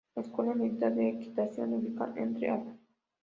La Escuela Militar de Equitación, ubicada entre Av.